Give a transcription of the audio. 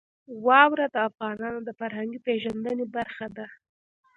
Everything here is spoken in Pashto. واوره د افغانانو د فرهنګي پیژندنې برخه ده.